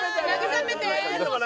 慰めて！